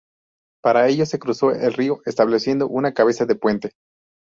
Para ello se cruzó el río, estableciendo una cabeza de puente.